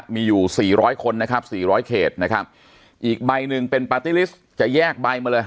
มีอยู่สี่ร้อยคนนะครับสี่ร้อยเขตนะครับอีกใบหนึ่งเป็นปาร์ตี้ลิสต์จะแยกใบมาเลย